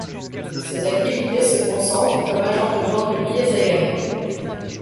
Ses activités se concentrent comme agent de vente de billets aériens.